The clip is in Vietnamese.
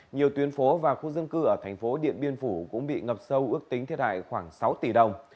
nhiều tuyến phố và khu dân cư ở thành phố điện biên phủ cũng bị ngập sâu ước tính thiệt hại khoảng sáu tỷ đồng